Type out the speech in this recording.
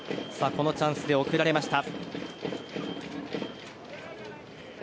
このチャンスで送られました。